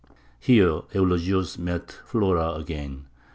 Here Eulogius met Flora again.